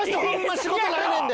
仕事ないねんで。